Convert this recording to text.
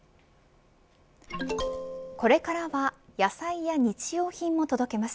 これからは野菜や日用品も届けます。